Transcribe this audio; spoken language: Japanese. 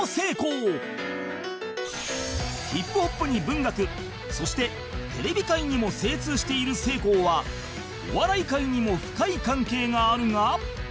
ヒップホップに文学そしてテレビ界にも精通しているせいこうはお笑い界にも深い関係があるが